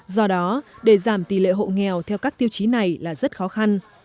do đó để giảm tỷ lệ hộ nghèo theo các tiêu chí này là rất khó khăn